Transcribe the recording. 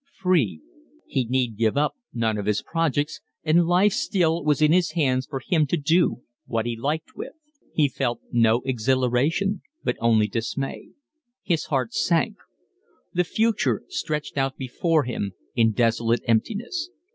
Free! He need give up none of his projects, and life still was in his hands for him to do what he liked with. He felt no exhilaration, but only dismay. His heart sank. The future stretched out before him in desolate emptiness.